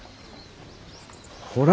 ほら！